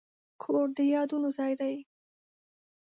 کور د یادونو ځای دی.